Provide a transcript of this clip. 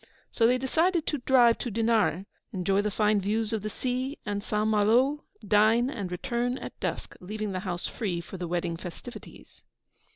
So they decided to drive to Dinare, enjoy the fine views of the sea and St. Malo, dine, and return at dusk, leaving the house free for the wedding festivities.